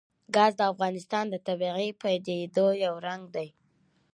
ګاز د افغانستان د طبیعي پدیدو یو رنګ دی.